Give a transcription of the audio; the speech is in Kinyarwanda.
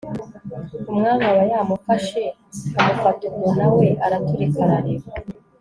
umwami aba yamufashe, amufata ubwo na we araturika ararira